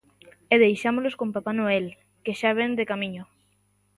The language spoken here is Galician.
E deixámolos con Papá Noel, que xa vén de camiño.